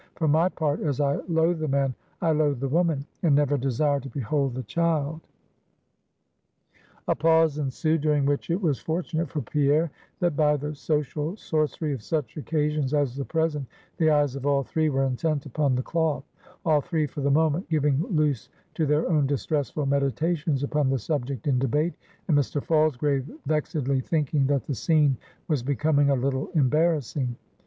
For my part, as I loathe the man, I loathe the woman, and never desire to behold the child." A pause ensued, during which it was fortunate for Pierre, that by the social sorcery of such occasions as the present, the eyes of all three were intent upon the cloth; all three for the moment, giving loose to their own distressful meditations upon the subject in debate, and Mr. Falsgrave vexedly thinking that the scene was becoming a little embarrassing.